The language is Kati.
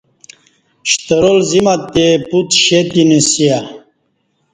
شترال زیم اتے پوت شہ تینسیہ